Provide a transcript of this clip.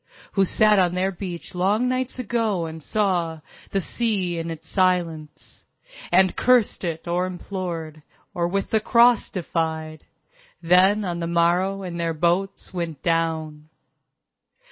Who sat on their beach long nights ago and saw The sea in its silence; And cursed it or implored; Or with the Cross defied; Then on the morrow in their boats went down.